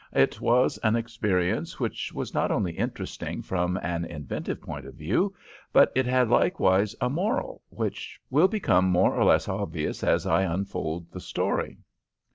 It was an experience which was not only interesting from an inventive point of view, but it had likewise a moral, which, will become more or less obvious as I unfold the story.